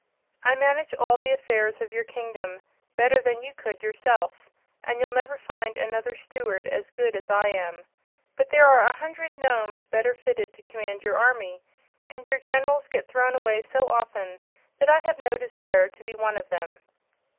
"I manage all the affairs of your kingdom better than you could yourself, and you'll never find another Steward as good as I am. But there are a hundred Nomes better fitted to command your army, and your Generals get thrown away so often that I have no desire to be one of them."